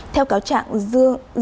theo cáo trạng dương tấn phúc